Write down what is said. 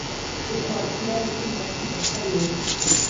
Ukwakira bibiri nacumi nakarindwi